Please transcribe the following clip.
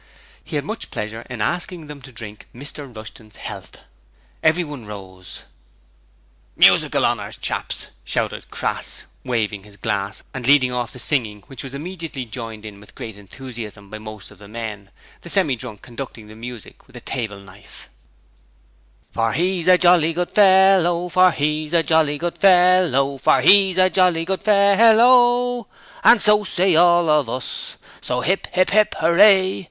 He had much pleasure in asking them to drink Mr Rushton's health. Everyone rose. 'Musical honours, chaps,' shouted Crass, waving his glass and leading off the singing which was immediately joined in with great enthusiasm by most of the men, the Semi drunk conducting the music with a table knife: For he's a jolly good fellow, For he's a jolly good fellow, For he's a jolly good fel ell O, And so say all of us, So 'ip, 'ip, 'ip, 'ooray!